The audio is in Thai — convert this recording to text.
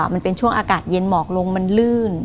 มันเป็นช่วงอากาศเย็นหมอกลงมันลื่น